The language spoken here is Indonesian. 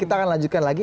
kita akan lanjutkan lagi